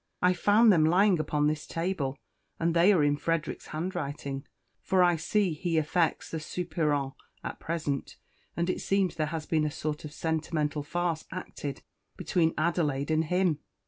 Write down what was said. I found them lying upon this table, and they are in Frederick's handwriting, for I see he affects the soupirant at present; and it seems there has been a sort of a sentimental farce acted between Adelaide and him.